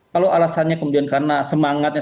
kalau alasannya kemudian karena semangatnya